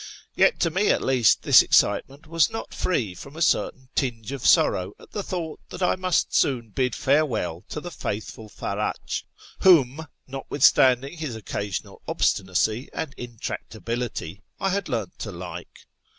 Yet to me at least this excitement was not free from a certain tinge of sorrow at the thought that I must soon bid farewell to the faithful Farach, whom, notwithstanding his occasional obstinacy and intractability, I had learned to like.